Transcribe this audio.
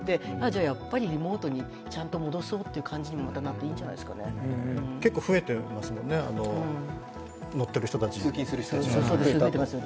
じゃ、やっぱりリモートにちゃんと戻そうという感じにもまたなって、いいんじゃないですかね結構増えていますもんね、乗っている人たち。